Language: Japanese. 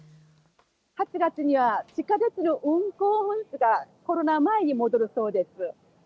８月には、地下鉄の運行本数がコロナ前に戻るそうです。